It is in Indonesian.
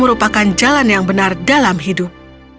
merupakan jalan yang benar dalam hidup